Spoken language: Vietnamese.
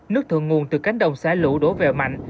nước thượng nguồn từ cánh đồng xã lũ đỗ vèo mạnh